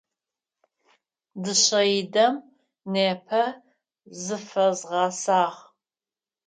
Дышъэидэм непэ зыфэзгъэсагъ.